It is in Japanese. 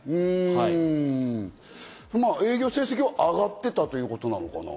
営業成績は上がっていたということなのかな？